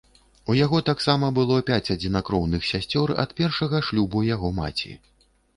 У яго таксама было пяць адзінакроўных сясцёр ад першага шлюбу яго маці.